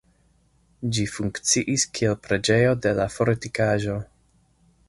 Ĝi funkciis, kiel preĝejo de la fortikaĵo.